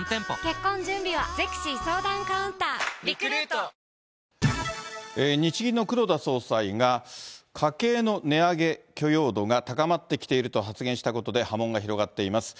たたきじゃ、日銀の黒田総裁が、家計の値上げ許容度が高まってきていると発言したことで波紋が広がっています。